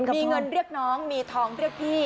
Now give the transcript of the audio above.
มีเงินเรียกน้องมีทองเรียกพี่